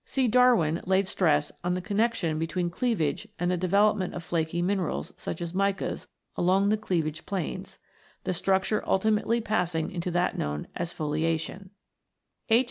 C. Darwin (so) laid stress on the connexion between cleavage and the development of flaky minerals, such as micas, along the cleavage planes, 1the structure ultimately passing into that known as "foliation" (see p. 145). H.